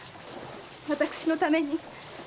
私のために。